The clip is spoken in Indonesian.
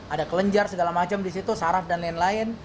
ada kelenjar segala macem disitu saraf dan lain lain